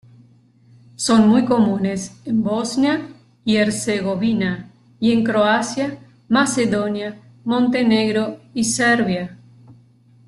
Son muy comunes en Bosnia y Herzegovina, y en Croacia, Macedonia, Montenegro y Serbia.